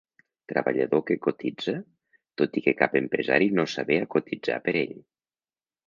Treballador que cotitza, tot i que cap empresari no s'avé a cotitzar per ell.